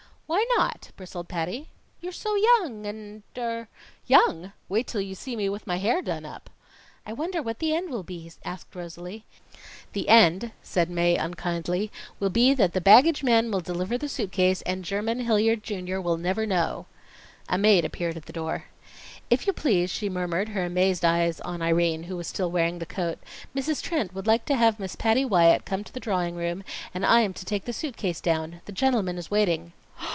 "Why not?" bristled Patty. "You're so young and so er " "Young! Wait till you see me with my hair done up." "I wonder what the end will be?" asked Rosalie. "The end," said Mae unkindly, "will be that the baggage man will deliver the suit case, and Jermyn Hilliard, Junior, will never know " A maid appeared at the door. "If you please," she murmured, her amazed eyes on Irene who was still wearing the coat, "Mrs. Trent would like to have Miss Patty Wyatt come to the drawing room, and I am to take the suit case down. The gentleman is waiting."